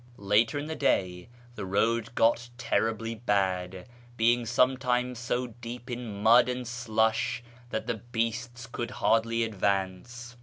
Later in the day the road got terribly bad, being some times so deep in mud and slush that the beasts could hardly advance.